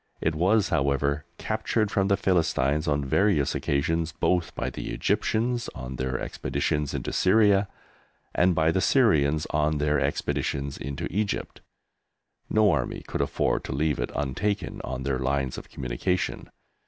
It was, however, captured from the Philistines on various occasions both by the Egyptians on their expeditions into Syria and by the Syrians on their expeditions into Egypt. No army could afford to leave it untaken on their lines of communication.